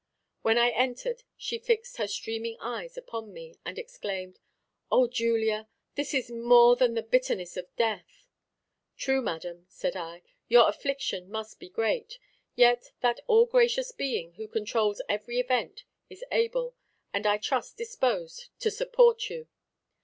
When I entered, she fixed her streaming eyes upon me, and exclaimed, "O Julia, this is more than the bitterness of death." "True, madam," said I, "your affliction must be great; yet that all gracious Being who controls every event is able, and I trust disposed, to support you."